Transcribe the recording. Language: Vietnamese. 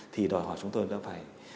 thì đòi hỏi chúng tôi đã phải